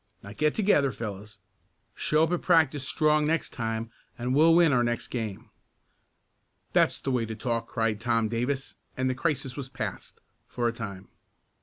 Now get together, fellows. Show up at practice strong next time, and we'll win our next game!" "That's the way to talk!" cried Tom Davis, and the crisis was passed for a time.